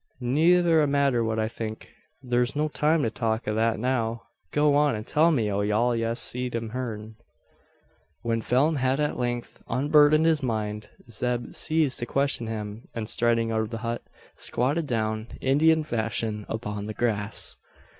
"Ne'er a matter what I think. Thur's no time to talk o' that now. Go on, an tell me o' all ye seed an heern." When Phelim had at length unburdened his mind, Zeb ceased to question him; and, striding out of the hut, squatted down, Indian fashion, upon the grass.